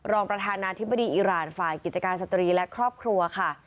รองประธานาธิบดีอิราณฝ่ายกิจการสตรีและครอบครัวค่ะ